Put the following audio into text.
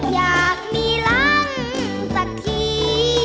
อยากมีรังสักที